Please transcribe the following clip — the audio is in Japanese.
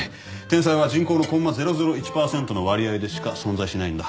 天才は人口の０．００１％の割合でしか存在しないんだ。